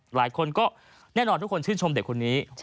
หลายคนก็แน่นอนทุกคนชื่นชมเด็กคนนี้